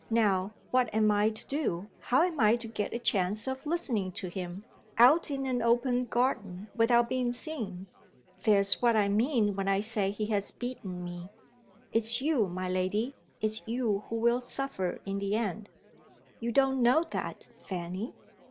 Now, what am I to do? How am I to get a chance of listening to him, out in an open garden, without being seen? There's what I mean when I say he has beaten me. It's you, my lady it's you who will suffer in the end." "You don't know that, Fanny."